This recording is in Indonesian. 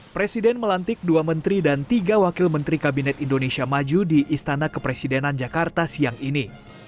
presiden melantik dua menteri dan tiga wakil menteri kabinet indonesia maju di istana kepresidenan jakarta siang ini